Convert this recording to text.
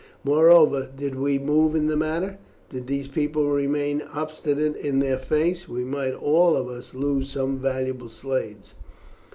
Moreover, did we move in the matter, and did these people remain obstinate in their Faith, we might all of us lose some valuable slaves.